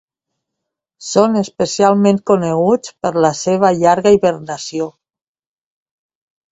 Són especialment coneguts per la seva llarga hibernació.